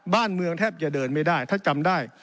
บ้านเมืองแทบจะเดินไม่ได้ถ้าจำได้